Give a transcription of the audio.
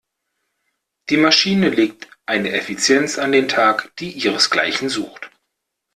Die Maschine legt eine Effizienz an den Tag, die ihresgleichen sucht.